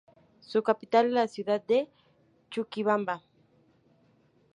Su capital es la ciudad de Chuquibamba.